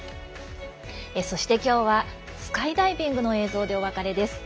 そして、今日はスカイダイビングの映像でお別れです。